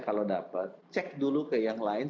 kalau dapat cek dulu ke yang lain